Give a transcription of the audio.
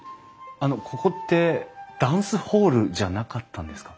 あのここってダンスホールじゃなかったんですか？